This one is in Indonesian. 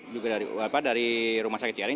juga dari rumah sakit ciaring